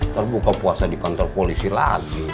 ntar buka puasa di kantor polisi lagi